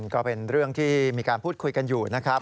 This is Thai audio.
ก็เป็นเรื่องที่มีการพูดคุยกันอยู่นะครับ